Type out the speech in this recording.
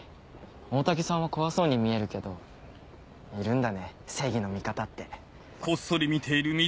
大嶽さんは怖そうに見えるけどいるんだね正義の味方って。